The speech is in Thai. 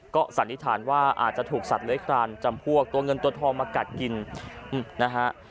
ก็สันนิษฐานว่าอาจจะถูกสัตว์เลื้อยคลานจำพวกตัวเงินตัวทองมากัดกินนะฮะ